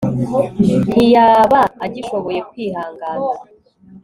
ntiyaba agishoboye kwihangana